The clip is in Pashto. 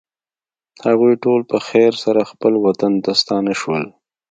هغوی ټول په خیر سره خپل وطن ته ستانه شول.